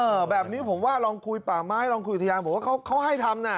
แบบนี้ผมว่าลองคุยป่าไม้ลองคุยอุทยานบอกว่าเขาให้ทำน่ะ